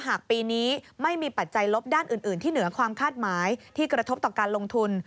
หากปีนี้ไม่มีปัจจัยลบด้านอื่นที่เหนือความคาดหมายที่กระทบต่อการลงทุน